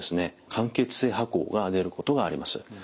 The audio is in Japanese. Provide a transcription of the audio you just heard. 間欠性跛行が出ることがあります。